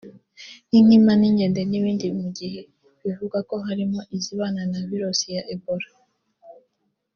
nk’inkima n’inkende n’ibindi mu gihe bivugwa ko harimo izibana na virusi ya Ebola